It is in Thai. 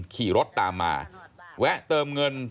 ขี่รถตามมาแวะเติมเงิน